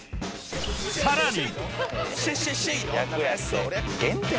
［さらに］